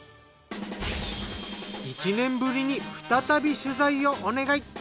１年ぶりに再び取材をお願い。